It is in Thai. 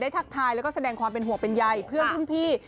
ทักทายแล้วก็แสดงความเป็นห่วงเป็นใยเพื่อนรุ่นพี่